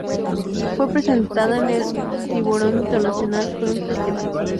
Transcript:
Fue presentada en el Tiburón International Film Festival.